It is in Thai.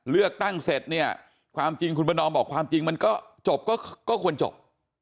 เลือกตั้งเสร็จเนี่ยความจริงคุณประนอมบอกความจริงมันก็จบก็ควรจบ